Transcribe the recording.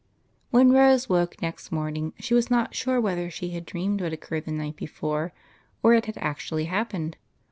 WHEN Rose woke next morning, she was not sure whether she had dreamed what occurred the night before, or it had actually happened.